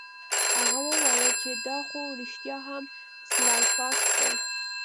هغه وویل چې دا خو رښتیا هم سلای فاکس دی